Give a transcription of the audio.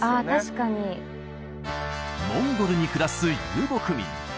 確かにモンゴルに暮らす遊牧民